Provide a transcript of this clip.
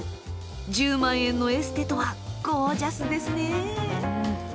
１０万円のエステとはゴージャスですね。